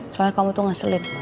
soalnya kamu tuh ngeselin